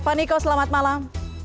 pak niko selamat malam